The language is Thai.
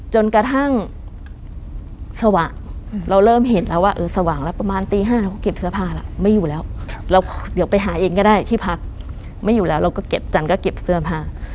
จนกระทั่งสว่างเราเริ่มเห็นแล้วว่าเออสว่างแล้วประมาณตี๕เราก็เก็บเสื้อผ้าแล้วไม่อยู่แล้วเราเดี๋ยวไปหาเองก็ได้ที่พักไม่อยู่แล้วเราก็เก็บจันก็เก็บเสื้อผ้า